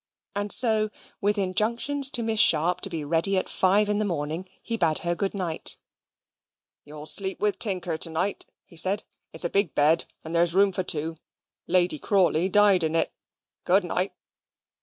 And so, with injunctions to Miss Sharp to be ready at five in the morning, he bade her good night. "You'll sleep with Tinker to night," he said; "it's a big bed, and there's room for two. Lady Crawley died in it. Good night."